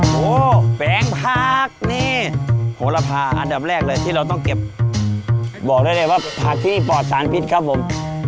โหแปลงผักนี่โหระพาอันดับแรกเลยที่เราต้องเก็บบอกได้เลยว่าผักที่ปลอดสารพิษครับผม